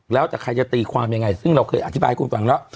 แล้วจากใครจะตีความยังไงซึ่งเราเคยอธิบายกลุ่มแต่งเนี่ย